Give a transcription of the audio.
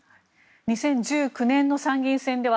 ２０１９年の参議院選では